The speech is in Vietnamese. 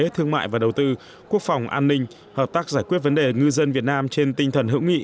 thương mại và đầu tư quốc phòng an ninh hợp tác giải quyết vấn đề ngư dân việt nam trên tinh thần hữu nghị